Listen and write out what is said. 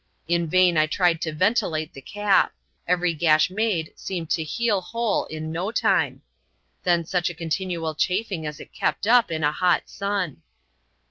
In vain I tried to ventilate the cap : every gash made seemed to heal whole in no time. Then such a continual chafing as it kept up in a hot sun.